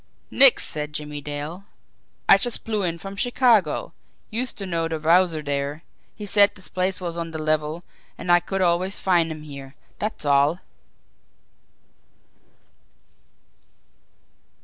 "Nix!" said Jimmie Dale. "I just blew in from Chicago. Used to know de Wowzer dere. He said dis place was on de level, an' I could always find him here, dat's all."